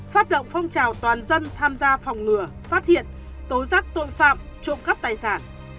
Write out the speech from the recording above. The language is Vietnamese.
phát động phong trào toàn dân tham gia phòng ngừa phát hiện tố giác tội phạm trộm cắp tài sản